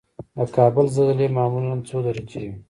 د کابل زلزلې معمولا څو درجې وي؟